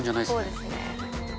そうですね。